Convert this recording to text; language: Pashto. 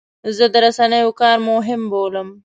زه د رسنیو کار مهم بولم.